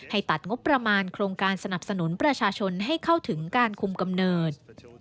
ตัดงบประมาณโครงการสนับสนุนประชาชนให้เข้าถึงการคุมกำเนิด